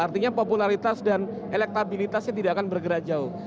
artinya popularitas dan elektabilitasnya tidak akan bergerak jauh